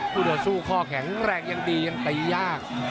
ตัวสู้ข้อแข็งแรงยังดียังตียาก